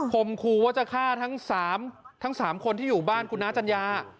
มคูว่าจะฆ่าทั้ง๓คนที่อยู่บ้านคุณน้าจัญญา